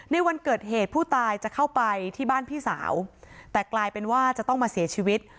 ในวันเกิดเหตุผู้ตายจะเข้าไปที่บ้านพี่สาวแต่กลายเป็นว่าจะต้องมาเสียชีวิต